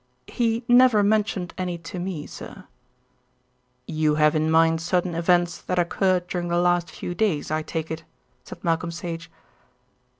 "He never mentioned any to me, sir." "You have in mind certain events that occurred during the last few days, I take it?" said Malcolm Sage.